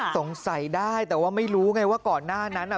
สงสัยได้แต่ว่าไม่รู้ไงว่าก่อนหน้านั้น